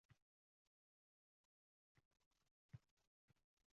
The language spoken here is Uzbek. Nega bunday qildinglar, Sobir, siz es-hushli yigitsiz-ku